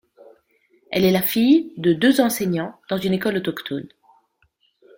Elle est la fille de deux enseignants dans une école autochtone.